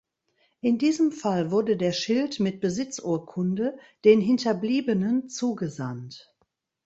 In diesem Fall wurde der Schild mit Besitzurkunde den Hinterbliebenen zugesandt.